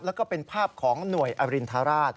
แล้วก็เป็นภาพของหน่วยอรินทราช